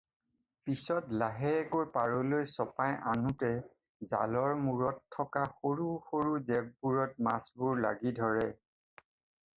পিছত লাহেকৈ পাৰলৈ চপাই আনোঁতে জালৰ মূৰত থকা সৰু সৰু জেপবোৰত মাছবোৰ লাগি ধৰে।